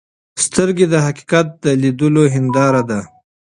سترګې د حقیقت د لیدلو هنداره ده.